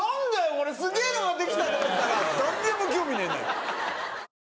俺すげぇのができたと思ったら誰も興味ねえ。